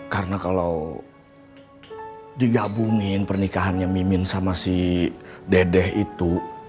karena kalau digabungin pernikahannya mimin sama si dedeh itu